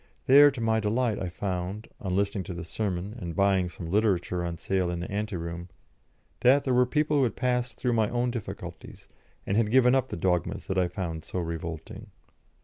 There to my delight I found, on listening to the sermon and buying some literature on sale in the ante room, that there were people who had passed through my own difficulties, and had given up the dogmas that I found so revolting.